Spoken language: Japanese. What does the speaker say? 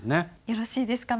よろしいですか？